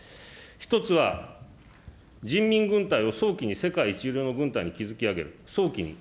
１つは、人民軍隊を、早期に世界一流の軍隊に築き上げる、早期に。